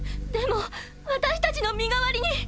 でも私たちの身代わりに。